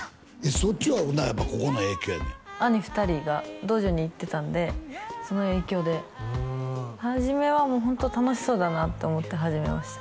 そっちはやっぱここの影響兄２人が道場に行ってたんでその影響で初めはホント楽しそうだなと思って始めました